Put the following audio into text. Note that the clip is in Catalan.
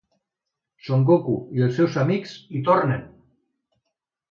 Son Goku i els seus amics hi tornen!!